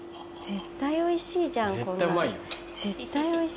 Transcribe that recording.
絶対おいしいじゃんこんなの。